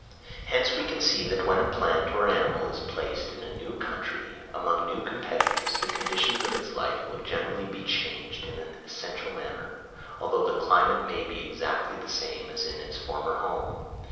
Hence we can see that when a plant or animal is placed in a new country, among new competitors, the conditions of its life will generally be changed in an essential manner, although the climate may be exactly the same as in its former home.